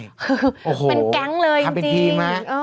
คือเป็นแก๊งเลยจริงโอ้โฮทำเป็นทีมั้ย